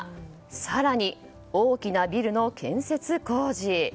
更に、大きなビルの建設工事。